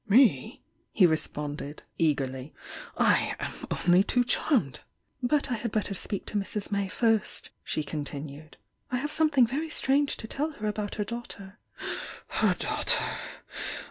"Me!" he responded, eagerly— "I am only too charmed!" "But I had better speak to Mrs. May first," she continued— "I have something very strange to tell her about her daughter " "Her daughter!